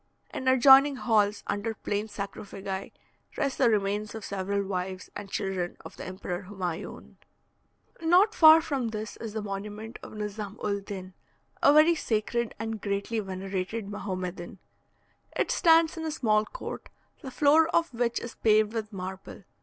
In adjoining halls, under plain sarcophagi, rest the remains of several wives and children of the Emperor Humaione. Not far from this is the monument of Nizam ul din, a very sacred and greatly venerated Mahomedan. It stands in a small court, the floor of which is paved with marble.